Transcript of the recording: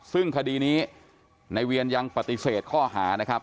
ซึ่งคดีนี้ในเวียนยังปฏิเสธข้อหานะครับ